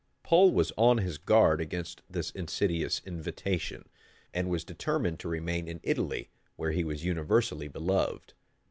Pole was on his guard against this insidious invitation; and was determined to remain in Italy, where he was universally beloved.